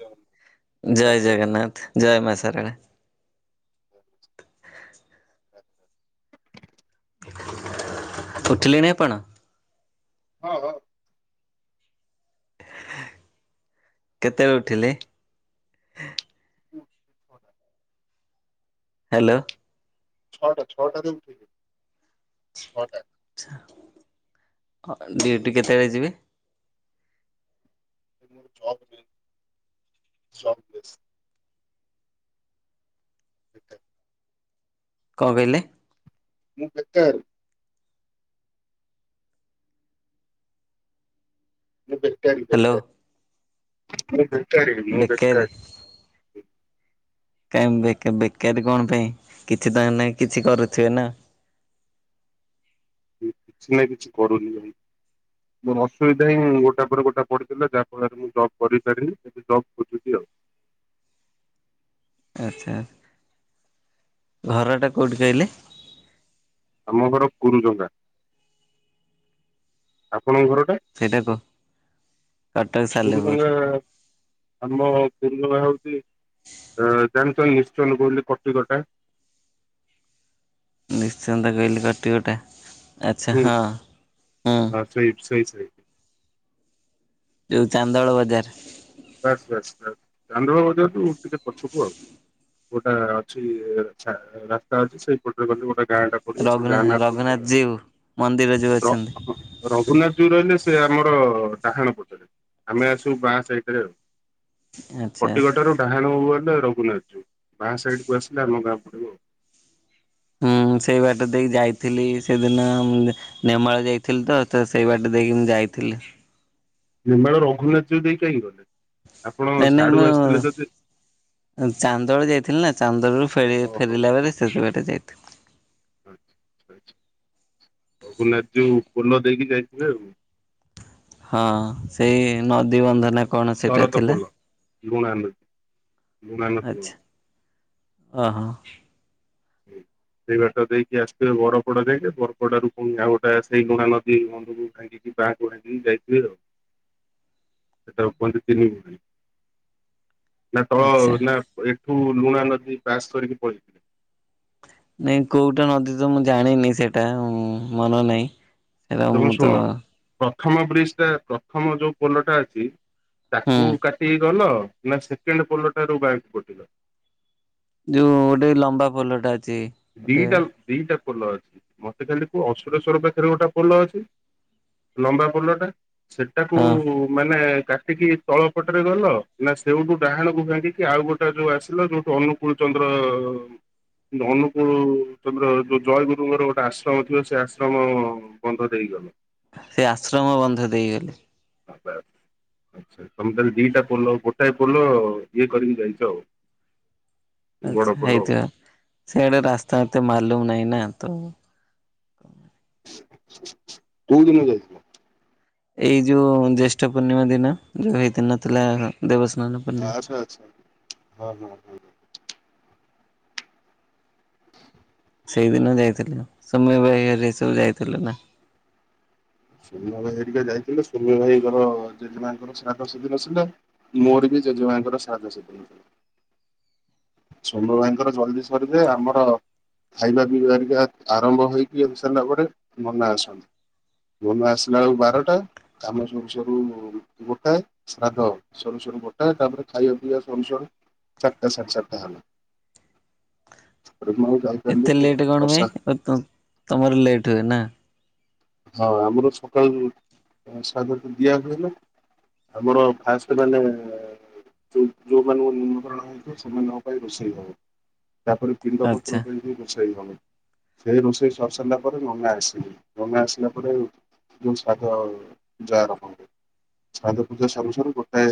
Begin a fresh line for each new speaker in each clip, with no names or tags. ରାଧେ
ଜୟ
ରାଧେ।
ଜଗନ୍ନାଥ ଜୟ ମା ସାରଳା । ଉଠିଲେଣି ଆପଣ ।
ହଁ ହଁ ।
କେତେଳେ ଉଠିଲେ? ହାଲୋ ।
ଛଅଟା ଛଅଟା ରେ ଉଠିଲି ଛଅଟା ।
ଆଛା ଡିଉଟି କେତେବେଳେ ଯିବେ?
ମୋର ଜବ୍ ନାହିଁ ଜବ୍ ଲେସ୍ । ବେକାର
କଣ କହିଲେ?
ମୁଁ ବେକାର । ମୁଁ ବେକାରି
ହ୍ୟାଲୋ?
ବେକାରି ମୁଁ ବେକାରି ମୁଁ
ବେକାରୀ
ବେକାରି ।
କାହିଁ ବେକ ବେକାରି କଣ ପାଇଁ କିଛି ତ ନା କିଛି କରୁଥିବେ ନା ।
କିଛି ନା କିଛି କରୁନି ଭାଇ । ମୋର ଅସୁବିଧା ହିଁ ଗୋଟା ପରେ ଗୋଟା ପଡୁଥିଲା ଯାହା ଫଳରେ ମୁଁ ଜବ୍ କରିପାରିନି ଏବେ ଜବ୍ ଖୋଜୁଛି ଆଉ ।
ଆଛା । ଘରଟା କଉଠି କହିଲେ?
ଆମ ଘର କୁରୁଜଙ୍ଗା। ଆ ପଣଙ୍କ ଘରଟା
ସେଇଟା କୁହ କଟକ ସାଲେପୁର
ଗୁରୁଜଙ୍ଗା ଆମ କୁରୁଞ୍ଜଙ୍ଗା ହଉଛି ଜାଣିଚନ୍ତି ଇଂସ୍ଟଲ କୋଇଲି କଟି କଟା
ନିଶ୍ଚନ୍ତ କହିଲି କଟିକଟା ଆଚ୍ଛା
ହୁଁ
ହଁ ହୁଁ ।
ସେଇଠି
ଯୋଉ ଚାନ୍ଦଳ ବଜାର ।
ବାସ୍ ବାସ୍ ବାସ୍ ଚାନ୍ଦୁଆ ବଜାରଠୁ ଟିକେ ପଛକୁୁ ଆଉ । ଗୋଟେ ଅଛି ରାସ୍ତା ଅଛି ସେଇପଟରେ ଗଲେ ଗୋଟେ ଗାଁ ଟା ପଡିବ ସେ
ରଘୁନା
ଗାଁ ନାଁ [unintelligible]
ରଘୁନାଥ ଜୀଉ ମନ୍ଦିର ଯୋଉ
ହେବ ର
ଅଛନ୍ତି
ରଘୁନାଥଜିଉ ରହିଲେ ସେ ଆମର ଡାହାଣ ପଟରେ ଆମେ ଆସୁ ବାଁ ସାଇଟରେ ଆଉ।
ଆଚ୍ଛା। ଆଚ୍ଛା।
କଟି କଟାରୁ ଡାହାଣକୁ ଗଲେ ର ଘୁନାଥଜିଉ ବାଁ ସାଇଡକୁ ଆସିଲେ ଆମ ଗାଁ ପଡ଼ିବ ଆଉ।
ହୁଁ ସେଇ ବାଟ ଦେଇ ଯାଇଥିଲି ସେଦିନ ନେମାଳ ଯାଇଥିଲି ତ ତ ସେଇ ବାଟ ଦେଇକି ମୁଁ ଯାଇଥିଲି।
ନେମ୍ବାଳ ରଘୁନାଥଜିଉ ଦେଇକି କାହିଁକି ଗଲେ ଆପଣ ସାଡୁ ଆସିଥିଲେ ଯଦି
ଉଁ ଚାନ୍ଦଳ ଯାଇଥିଲି ନା ଚାନ୍ଦଳରୁ ଫେରି ଫେରିଲା ବେଳେ ସେଥି ବାଟେ ଯାଇଥିଲି।
ଆଛା। ରଘୁନାଥଜିଉ ପୋଲ ଦେଇକି ଯାଇଥିବେ ଆଉ।
ହଁ ସେଇ ନଦୀବନ୍ଧ ନେ
ଶରତ ଫୋଲ ଲୁଣା ନଦୀ, ଲୁଣା ନଦୀ ଯୋଉଠି
ଅ ହ।
ହୁଁ। ସେଇ ବାଟ ଦେଇକି ଆସିବେ ବରପଡା ଯାଇକେ ବରପଡାରୁ ପୁଣି ଆଉ ଗୋଟେ ସେଇ ଲୁଣା ନଦୀ ବନ୍ଧକୁ ଖାଇକି [unintelligible] ଯାଇଥିଲି ଆଉ। ସେଇଟାକୁ କୁହନ୍ତି ତିନି ମୁହାଣୀ। ନା
ଆଚ୍ଛା
ତଳ ନା ଏଠୁ ଲୁଣା ନଦୀ ପାସ୍ କରିକି ପଳେଇଥିଲେ।
ନାଇଁ କୋଉଟା ନଦୀ ତ ମୁଁ ଜାଣିନି ସେଟା ଉଁ ମନ ନାହିଁ। ସେରା
ତମେ
ମୁଁ
ଶୁଣ
ତ
ପ୍ରଥମ ବ୍ରିଜଟା ପ୍ରଥମ ଯୋଉ ପୋଲଟା ଅଛି
ହୁଁ
ତାକୁ କାଟି ପୋଲ ନା ସେକେଣ୍ଡ ପୋଲଠାରୁ ବାଁ କୁ କଟିଲ।
ଯୋଉ ଗୋଟେ ଲମ୍ବା ପୋଲଟା ଅ
ଦିଇଟା ଦିଇଟା ପୋଲ ଅଛି ମତେ ଖାଲି କୁହ ଅସୁରେଶ୍ଵର ପାଖରେ ଗୋଟେ ପୋଲ ଅଛି ଲମ୍ବା ପୋଲଟା ସେଟାକୁ
ହଁ
ମାନେ କାଟିକି ତଳ ପଟରେ ଗଲ ନା ସେଇଠୁ ଡାହାଣକୁ ଭାଙ୍ଗିକି ଆଉ ଗୋଟେ ଯୋଉ ଆସିଲ ଯୋଉଠୁ ଅନୁକୂଳ ଚ [unintelligible] ଅନୁ ଯୋଉ ତମର ଯୋଉ ଜୟଗୁରୁଙ୍କର ଗୋଟେ ଆଶ୍ରମ ଥିବ ସେ ଆଶ୍ରମ ବନ୍ଧ ଦେଇଗଲେ
ସେ ଆଶ୍ରମ ବନ୍ଧ ଦେଇଗଲେ।
ହ। ଆଚ୍ଛା ତମେ ତାହେଲେ ଦିଟା ପୋଲ ଗୋଟାଏ ପୋଲ ଇଏ କରିକି ଯାଇଚ ଆଉ। ବଡ
ଆଛା
ପୋଲ ଆଉ।
ହେଇଥିବ ସେଆଡେ ରାସ୍ତା ଏତେ ମାଲୁମ ନାହିଁ ନା ତ ହଁ।
କୋଉ ଦିନ ଯାଇଥିଲ?
ଏଇ ଯୋଉ ଜ୍ୟେଷ୍ଠ ପୂର୍ଣ୍ଣିମା ଦିନ ଯୋଉ ହେଇଥିନଥିଲା ଦେବସ୍
ଆଛା ଆଚ୍ଛା ହଁ ହଁ ହଁ ହ।
ସେଇଦିନ ଯାଇଥିଲୁ ସମୟ ବାହରେ ଏଇ ସବୁ ଯାଇଥିଲୁ ନା।
ଶୂନ୍ୟ ଭାଇ ହେରିକା ଯାଇଥିଲେ ଶୂନ୍ୟ ଭାଇଙ୍କର ଜେଜେମାଙ୍କର ଶ୍ରାଦ୍ଧ ସେଦିନ ଥିଲା ମୋର ବି ଜଜେମାଙ୍କର ଶ୍ରାଦ୍ଧ ସେଦିନ ଥିଲା ସନୁ ଭାଇଙ୍କର ଜଲଦି ସରିଦେ ଆମର ଖାଇବା ପିଇବା ହେରିକା ଆରମ୍ଭ ହେଇକି [unintelligible] ସରିଲା ପରେ ନନା ଆସନ୍ତି। ନନା ଆସିଲାବେଳକୁ ବାରଟା କାମ ସରୁ ସରୁ ଗୋଟାଏ ଶ୍ରାଦ୍ଧ ସରୁ ସ ଗୋଟାଏ ତାପରେ ଖାଇବା ପିଇବା ସରୁ ସରୁ ଚାରିଟା ସାଡ୍ ଚାର ଆଉ ନା। ମୁଁ
ଏତେ ଲେଟ୍ କଣ ପାଇଁ ଓ ତ ତମର ଲେଟରେ ନା।
ହଁ ଆମର ସକାଳ ଯୋଉ ଅ ଶ୍ରାଦ୍ଧ ଦିଆ ହୁଏ ନା। ଆମର ଫାଷ୍ଟ ମାନେ। ଯୋଉ ଯୋଉମାନଙ୍କୁ ନିମନ୍ତ୍ରଣ ହଉ ନଥିବ ସେମାନଙ୍କ ପାଇଁ ରୋଷେଇ ହବ। ତାପରେ ପିଣ୍ଡପତ୍ର
ଆଚ୍ଛା
ଦେଇକି ବର୍ଷାଇବନି। ସେଇ ରୋଷେଇ ସରି ସାରିଲା ପରେ ନନା ଆସିଲେ ନନା ଆସ ସିଲା ପରେ ଯୋଉ ସାଗ ହୁଏ ପୁଜା ଆରମ୍ଭ ହୁଏ । ସାଧା ପୂଜା ସରୁୁ ସରୁୁ ଗୋଟାଏ।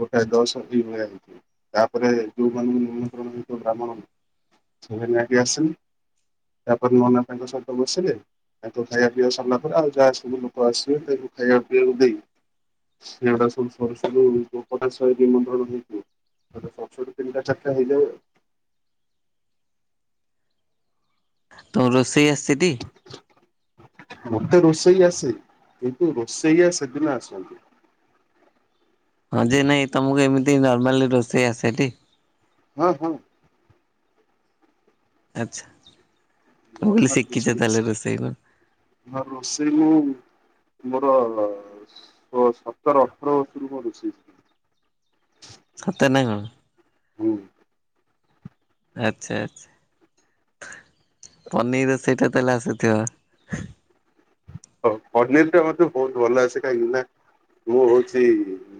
ଗୋଟାଏ ଦଶ [unintelligible] ହେଇଛି ତାପରେ ଯୋଉ ମାନଙ୍କୁ ନିମନ୍ତ୍ରଣ [unintelligible] ବ୍ରାହ୍ମଣ [unintelligible] ତାପରେ ନନା ତାଙ୍କ ସହିତ ବସିଲେ ତାଙ୍କ ଖାଇବା। ପିଆ ସାରିଲା ପରେ ଆଉ ଯାହା ସବୁ ଲୋକ ଆସିବେ ତାଙ୍କୁ ଖାଇବା ପିଇବାକୁ ଦେଇ। [unintelligible] ସରୁ ସରୁ ତିନିଟା ଚାରିଟା ହେଇଯାଏ ଆଉ।
ତୁମ କୁ ରୋଷେଇ ଆସିଛି ଟି?
ମତେ ରୋଷେଇ ଆସେ କିନ୍ତୁ ରୋଷେଇଆ ସେଦିନ ଆସନ୍ତି।
ହଁ ଯେ ନାଇଁ ତମକୁ ଏମିତି ନର୍ମାଲ ରୋଷେଇ ଆସେଟି।
ହଁ ହଁ।
ଆଚ୍ଛା। ମୁଁ କହିଲି
ନର୍ମାଲ
ଶିଖିଛ
ରୋଷେଇ
ତାହେଲେ
ଆସେ
ରୋଷେଇ କଣ
ନହେଲେ ରୋଷେଇ ମୁଁ। ମୋର ସୋ ସତର ଅଠର ବର୍ଷରୁ ମୁ ରୋଷେଇ ଶିଖିଥିଲି। [inaudible]
ସତରେ ନା କଣ?
ହୁଁ।
ଆଚ୍ଛା ଆଚ୍ଛା। ପନିର ରୋଷଇ ଟା ତାହେଲେ ଆସୁଥିବ।
ହଉ ପନିରଟା ମତେ ବହୁତ ଭଲ ଅସେ କାହିଁକି ନା ମୁଁ ହଉଛି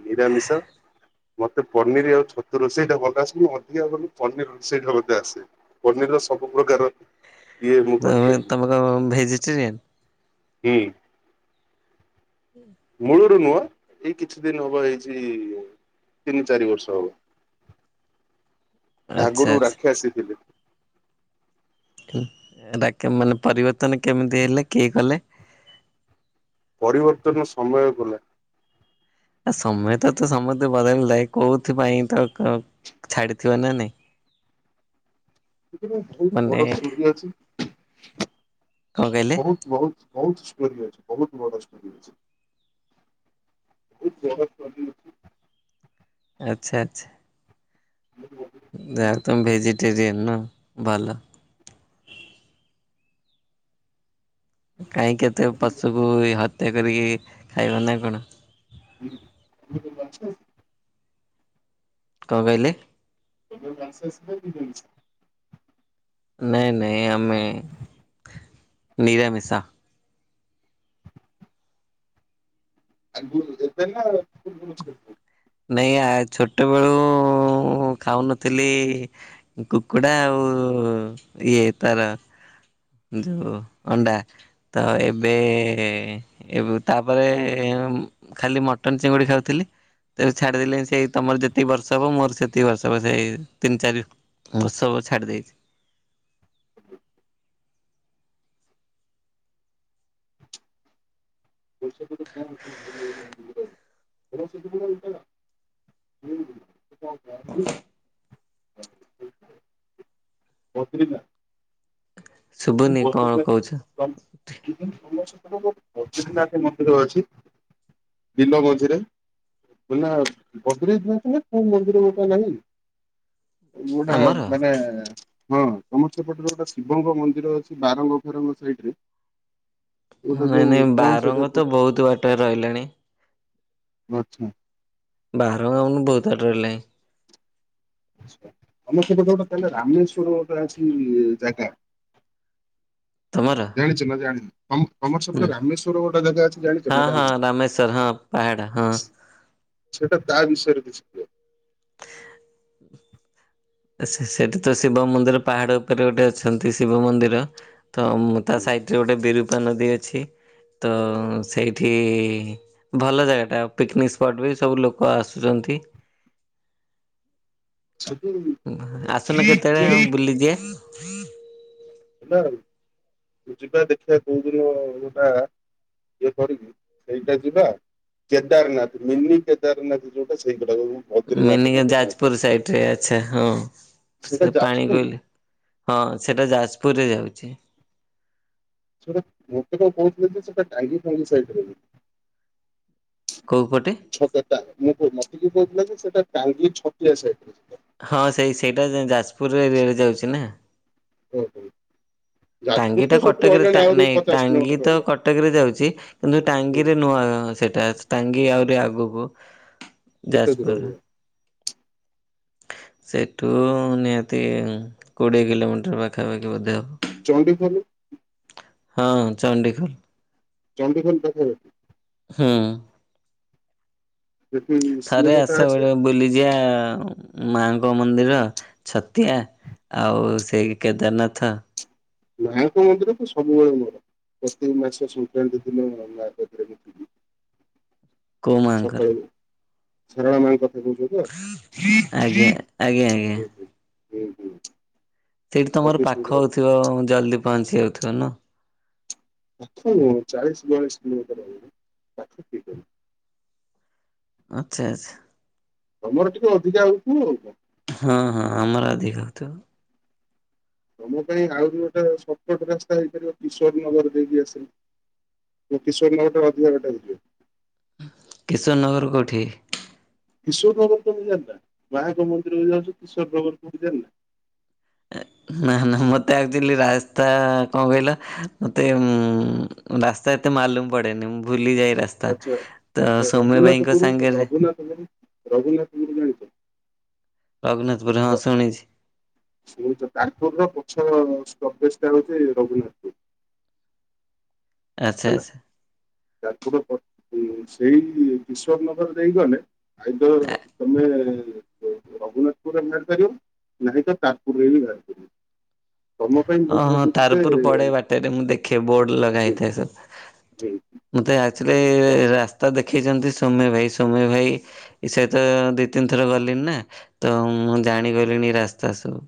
ନିରାମିଶ। ମତେ ପନିର ଆଉ ଛତୁ ରୋଷେଇ ଟା ଭଲ ଆସେ, ମୁଁ ଅଧିକା ପନିର ରୋଷେଇ ଟା ମୋତେ ଆସେ ପନିର ସବୁ ପ୍ରକାର ଇଏ ମୁଁ
ତମେ
କରିପାରିବି
ତମକଣ ଭେଜିଟେରିୟାନ?
ହୁଁ।
[inaudible]
ମୂଳରୁ ନୁହଁ ଏଇ କିଛି ଦିନ ହବ ହେଇଛି ତିନି ଚାରି ବର୍ଷ ହବ।
ଆଚ୍ଛା
ରାଘରୁ
ଆଚ୍ଛା
ରାକ୍ଷସୀ ଥିଲୀ।
ଡାକେ ମାନେ ପରିବର୍ତ୍ତନ କେମିତି ହେଲେ କିଏ କଲେ।
ପରିବର୍ତ୍ତନ ସମୟ କଲା ।
ଆ ସମୟ ତ ତ ସମସ୍ତେ ବଦଳିଥାଏ କୋଉଥିପାଇଁ ତାର କ ଛାଡିଥିବ ନା ନାଇଁ।
ସେଥିରେ ବହୁତ
ମାନେ
ବଡ ଷ୍ଟୋରୀ ଅଛି।
କଣ କହିଲେ
ବହୁତ ବହୁତ ବହୁତ ଷ୍ଟୋରି ଅଛି ବହୁତ ବଡ଼ ଷ୍ଟୋରି ଅଛି। ବହୁତ ବଡ଼ ଷ୍ଟୋରୀ ଅଛି।
ଆଚ୍ଛା ଆଚ୍ଛା। ଯାହା [unintelligible] ଭଲ କାହିଁ କେତେ ପଶୁକୁ ହତ୍ୟା କରିକି ଖାଇବ ନା କଣ?
[inaudible]
କଣ କହିଲେ?
[unintelligible]
ନାଇଁ ନାଇଁ ଆମେ ନିରାମିଶ।
[unintelligible]
ନାଇଁ ଆ ଛୋଟବେଳୁ ଖାଉନଥିଲି। କୁକୁଡ଼ା ଆଉ ଇଏ ତାର ଯୋଉ ଅଣ୍ଡା ତ ଏବେ ଏ ତାପରେ ଖାଲି ମଟନ୍ ଚିଙ୍ଗୁଡ଼ି ଖାଉଥିଲି। ତେବେ ଛାଡିଦେଲି ସେଇ ତମର ଯେତିକି ବର୍ଷ ହବ ମୋର ସେତିକି ବର୍ଷ ହବ ସେଇ ତିନି ଚାରି ମୁ ସବୁ ଛାଡି ଦେଇଛି।
[unintelligible] [unintelligible] [unintelligible] [unintelligible]
ଶୁଭୁନି କଣ କହୁଛ
ଭୋଳାନାଥ ମନ୍ଦିର ଅଛି ଦୀନ ଗଞଜିରେ ହେଲା ବଦ୍ରିନାଥ ଯାଇଥିଲେ, କୋଉ ମନ୍ଦିର ତମେ ଯାଇନକି? ଗୋଟେ
ଆମର?
ମାନେ ହଁ ତମର ସେପଟରେ ଗୋଟେ ଶିବଙ୍କ ମନ୍ଦିର ମନ୍ଦିର ଅଛି ବାରଙ୍ଗ ଫେରଙ୍ଗ ସାଇଡରେ
ନାଇଁ ନାଇଁ ବାରଙ୍ଗ ତ ବହୁତ ବାଟରେ ରହିଲାଣି
ଆଛା।
ବାହାର ଆଉନ ବହୁତ ବାଟ ରହିଲାନି
ଆମେ ସବୁ ଯୋଉ କଥା ହେଲେ ରାମେଶ୍ୱର ଗୋଟେ ଅଛି ଜାଗା।
ତମର
ଜାଣିଛ ନା ଜାଣିନ ଆଉ ଆମର
ହୁଁ
ସେପଟେ ରାମେଶ୍ଵର ଗୋଟେ ଜାଗା ଅଛି ଜାଣିଛ ନା ଜାଣିନ?
ପାଡା ହଁ
ସେଟା ତା ବିଷୟରେ କିଛି
[inaudible] ସେ ସେଠି ତ ଶିବ ମନ୍ଦିର ପାହାଡ ଉପରେ ଗୋଟେ ଅଛନ୍ତି ଶିବ ମନ୍ଦିର ତ ମୁଁ ତା ସାଇଟରେ ଗୋଟେ ବିରୁପା ନଦୀ ଅଛି। ତ ସେଇଠି ଭଲ ଜାଗା ଟା ପିକନିକ ସ୍ପଟ ବି ସବୁ ଲୋକ ଆସୁଚ ତି
ସେଠି ଆମେ
ଆସୁନ କେତେବେଳେ ବୁଲି ଯିବା।
ହେଲା ଆଉ ଯିବା ଦେଖିବା କୋଉ ଦିନ ଗୋଟା କରିବି ସେଇଟା ଯିବା କେଦାରନାଥ ମିନି କେଦାରନାଥ ଯୋଉଟା ସେଇଟା
ମିନି କେ ଯାଜପୁର ସାଇଟ ରେ ଆଛା ହଉ
ସେଇଟା
ସେ ପାଣି
ଯାଜପୁର
କୋଇଲି ହଁ ସେଟା ଯାଜପୁରରେ ଯାଉଚି।
ସେଟା ମୋତେ ତ କହୁଥିଲେ ଯେ ସେଟା ଟାଙ୍ଗୀ ଫାଙ୍ଗି ସାଇଟ ରେ ବୋଲି
କୋଉ ପଟେ?
ଛତା ଟା ମୁଁ କ ମତେ ବି କହୁଥିଲା କି ସେଟା ଟାଙ୍ଗୀ ଛତିଆ ସାଇଟ ରେ
ହଁ ସେଇ ସେଇଟା ଯାଜପୁରରେ ରେ ଯାଉଚି ନା
ଓ ହୋ।
ଟାଙ୍ଗି ଟା କଟକରେ ଟା ନାଇଁ ଟାଙ୍ଗି ତ
ରହିଲାଣି
କଟକରେ ଯାଉଚି, କିନ୍ତୁ
ହୁଁ
ଟାଙ୍ଗିରେ ନୂଆ ସେଇଟା ଟାଙ୍ଗୀ ଆହୁରି ଆଗୁକୁ
କେତେ ଦୂର?
ସେଠୁ ନିହାତି କୋଡ଼ିଏ କିଲୋମିଟର ପାଖାପାଖି ବୋଧେ ହବ।
ଚଣ୍ଡିଖୋଲ।
ହଁ ଚଣ୍ଡିଖୋଲ।
ଚଣ୍ଡିଖୋଲ ପାଖାପାଖି।
ହଁ।
ସେଠି ସିଏ
ଥରେ
ଗୋଟେ
ଆସ
ଅଛି
ବଳେ ବୁଲି ଯିବା ଆଉ ମାଙ୍କ ମନ୍ଦିର ଛତିଆ। ଆଉ ସେଇ କେଦାରନାଥ।
ମାଙ୍କ ମନ୍ଦିର ତ ସବୁବେଳେ ମୋର ପ୍ରତେକ ମାସ ସଂକ୍ରାନ୍ତି ଦିନ ମୁଁ ମାଙ୍କୁ ଥରେ ଦେଖିଦିଏ।
କୋଉ ମାଙ୍କର?
ସାରଳା ମାଙ୍କର।
ଆଜ୍ଞା ଆଜ୍ଞା ଆଜ୍ଞା।
ହୁଁ ହୁଁ।
ସେଇଠି ତମର
ପ୍ରତି
ପାଖ
ସଂକ୍ରାନ୍ତି
ହଉଥିବ ଜଲଦି ପହଞ୍ଚି ଯାଉଥିବ ନୁ?
ଅସି ନୁହଁ, ଚାଳିଶ ବୟାଳିଶ କିଲୋମିଟର ରହିବ, ପାଖ କିଏ କହିଲା।
ଆଚ୍ଛା, ଆଚ୍ଛା।
ତମର ଟିକେ ଅଧିକା ହଉ ଥିବ ଆଉ କଣ?
ହଁ ହଁ ।ଆମର ଅଧିକ ହଉଥିବ ।
ତମ ପାଇଁ ଆହୁରି ଗୋଟାଏ ସଟ୍ କଟ୍ ରାସ୍ତା ହେଇପାରିବ। କିଶୋର ନଗର ଦେଇକି ଆସିଲେ। ଏ କିଶୋର ନଗରଟା ଅଧିକା ବାଟ ହେଇଯିବ।
କିଶୋର ନଗର କୋଉଠି?
କିଶୋର ନଗର କୋଉଠି ଜାଣିନା? ମାଙ୍କ ମନ୍ଦିରକୁ ଯାଉଚ କିଶୋର ନଗର କୋଉଠି ଜାଣିନା?
ନାଁ ନାଁ। ମତେ ଆକ୍ଚୁଆଲି ରାସ୍ତା କଣ କହିଲ? ମତେ ଉଁ, ରାସ୍ତା ତ ମାଲୁମ ପଡେନି। ମୁଁ ଭୁଲି ଯାଏ। ରାସ୍ତା।
ଆଛା
ତ
।ଆଛା
ସୌମ୍ୟ ଭାଇଙ୍କ
ରଘୁନାଥପୁରୁ,
ସାଙ୍ଗରେ
ରଘୁନାଥପୁରୁ, ରଘୁନାଥପୁରୁ ଜାଣିଛ?
ରଘୁନାଥପୁର,
ର
ହଁ ଶୁଣିଛି।
ଶୁଣିଛ ତାରପୁରର ପଛ ପ୍ରବେଶ ଟା ହଉଛି, ରଘୁନାଥପୁର।
ଆଚ୍ଛା
ହେଲା
ଆଚ୍ଛା।
ତାରପୁର ପ ସେଇ କିଶୋର ନଗର ଦେଇଗଲେ, ଆଇଦର ତମେ ରଘୁନାଥପୁରରେ ବାହାରିପାରିବ, ନାହିଁତ ତାରପୁର ରେ ବି ବାହାରି ପାରିବ। ତମ ପାଇଁ ମୁଁ
ହଁ ହଁ।
ଭାବୁଛି ଯେ
ତାରପୁର ପଡେ ବାଟରେ, ମୁଁ ଦେଖେ ବୋର୍ଡ
ହୁଁ
ଲଗାହେଇଥାଏ।
ହୁଁ
ମୁଁ, ତ ଆକ୍ଚୁଆଲି
ହୁଁ ତ
ରାସ୍ତା ଦେଖ ଦେଖିଛନ୍ତି ସୋମ୍ୟ ଭାଇ। ସୋମ୍ୟ ଭାଇ ସହିତ ଦି, ତିନି ଥର ଗଲିଣି ନା, ତ ମୁଁ ଜାଣି ଗଲେଣି ରାସ୍ତା ସବୁ।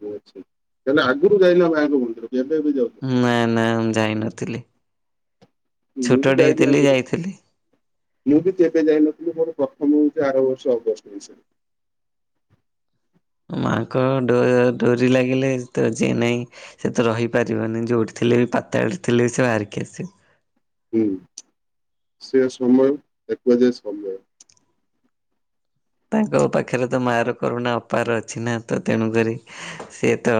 ତାହାଲେ ଆଗରୁ ଯାଇନ ମାଆଙ୍କ ମନ୍ଦିରକୁ, ଏବେ ଏବେ ଯାଉଛ?
ଯାଇ ନଥିଲି।
ମୁଁ ବି ଯାଇନି ଆଗରୁ। ମୁଁ ବି କେବେ ଯାଇନଥିଲି ମୋର ପ୍ରଥମରୁ ତ ଆର ବର୍ଷ ଅଗଷ୍ଟ ମାସ।
ମାଆଙ୍କ ଡୋ-ଡୋରି ଲାଗିଲେ, ତ ଯିଏ ନାହିଁ ସେ ତ ରହିପାରିବନି ଯୋଉଠି ଥିଲେ ବି ପାତାଳରେ ଥିଲେ, ସେ ବାହାରିକି ଆସିବ।
ହୁଁ, ସେ ସମୟ ଏକ ବଯାର ସମୟ।
ତାଙ୍କ ପାଖରେ ତ ମାଆର କରୁଣା ଅପାର ଅଛି ନା, ତ ତେଣୁକରି ସିଏ ତ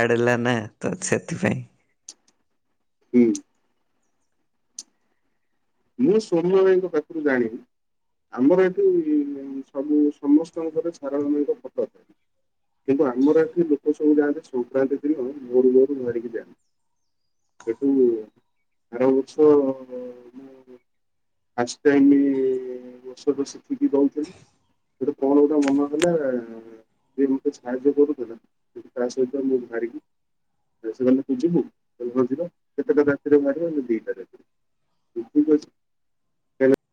ଆଇଡଲ ନା ତ ସେଥିପାଇଁ।
ହୁଁ। ମୁଁ ସୌମ୍ୟ ଭାଇଙ୍କ ପାଖରୁ ଜାଣିନି। ଆମର ଏଠି ସବୁ ସମସ୍ତଙ୍କର, ସାରଳା ମାଆଙ୍କ ଫଟ ଥାଏ। କିନ୍ତୁ ଆମର ଏଠି ଲୋକ ସବୁ ଯାଆନ୍ତି, ସଂକ୍ରାନ୍ତି ଦିନ ଭୋରୁ ଭୋରୁ ବାହାରିକି ଯାଆନ୍ତି। ସେଠୁ ଆର ବର୍ଷ ଫାଷ୍ଟ ଟାଇମ୍, ଔଷଧ ଶିଖିକି ଦଉଥିଲି। ସେଠୁ କଣ ଗୋଟେ ମନ ହେଲା ସେ ମୋତେ ସାହାଯ୍ୟ କରୁଥିଲା। କିନ୍ତୁ ତା ସହିତ ମୁଁ ବାହାରିକି ବେଶୀ ଗଲେ ତୁ ଯିବୁ? ମୁଁ କହିଲି ହଁ ଯିବା ।କେତେଟା ରାତିରେ ବାହାରିବା? ନା ଦିଟା ରାତିରେ। ଠିକ୍ ଅଛି, ଚାଲ।